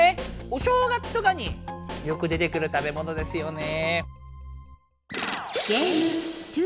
お正月とかによく出てくるたべものですよね。